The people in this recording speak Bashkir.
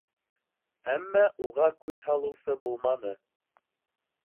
Әммә уға күҙ һалыусы булманы.